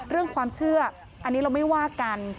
เรื่องความเชื่ออันนี้เราไม่ว่ากัน